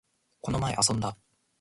この前、遊んだ